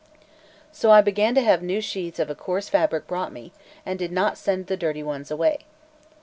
So I began to have new sheets of a coarse fabric brought me, and did not send the dirty ones away.